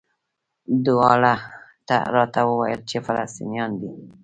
دواړو راته وویل چې فلسطینیان دي.